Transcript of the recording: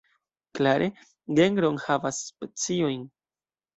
Klare, genro enhavas speciojn.